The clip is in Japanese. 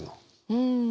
うん。